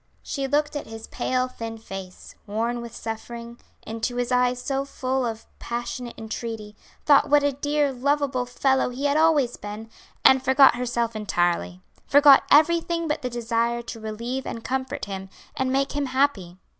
She looked at his pale, thin face, worn with suffering, into his eyes so full of passionate entreaty; thought what a dear lovable fellow he had always been, and forgot herself entirely forgot everything but the desire to relieve and comfort him, and make him happy.